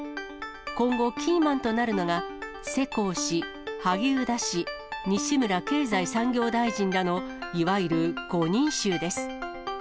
今後、キーマンとなるのが世耕氏、萩生田氏、西村経済産業大臣らの、いわゆる５人衆です。